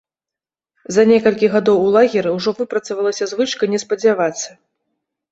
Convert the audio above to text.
За некалькі гадоў у лагеры ўжо выпрацавалася звычка не спадзявацца.